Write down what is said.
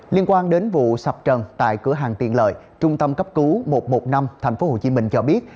liên quan đến vụ sập trần tại cửa hàng tiện lợi trung tâm cấp cứu một trăm một mươi năm tp hcm cho biết